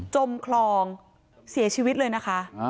จมคลองเสียชีวิตเลยนะคะ